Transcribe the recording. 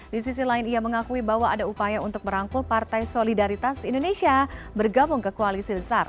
di sisi lain ia mengakui bahwa ada upaya untuk merangkul partai solidaritas indonesia bergabung ke koalisi besar